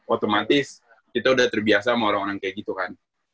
otomatis kita udah terbiasa sama orang orang kayak gitu kan